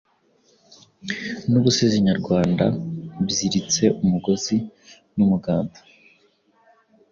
nubusizi nyarwanda biziritse umugozi n’umuganda.